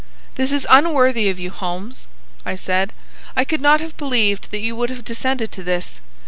"This is unworthy of you, Holmes," I said. "I could not have believed that you would have descended to this.